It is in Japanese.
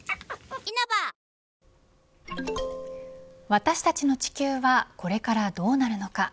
私たちの地球はこれからどうなるのか。